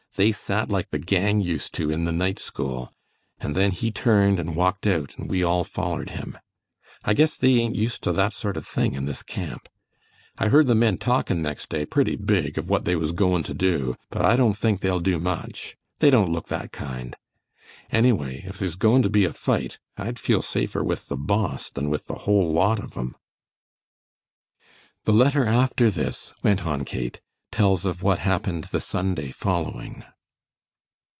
They sat like the gang used to in the night school, and then he turned and walked out and we all follered him. I guess they ain't used to that sort of thing in this camp. I heard the men talkin' next day pretty big of what they was goin' to do, but I don't think they'll do much. They don't look that kind. Anyway, if there's goin' to be a fight, I'd feel safer with the Boss than with the whole lot of 'em." "The letter after this," went on Kate, "tells of what happened the Sunday following."